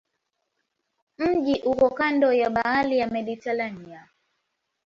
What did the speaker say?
Mji uko kando ya bahari ya Mediteranea.